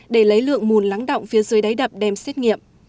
để lấy lượng mùn lắng động phía dưới đáy đập đem xét nghiệm